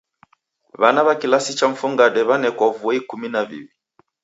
W'ana w'a kilasi cha mfungade w'anekwa vuo ikumi na viw'i.